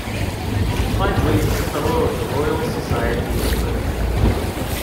Lively is a Fellow of the Royal Society of Literature.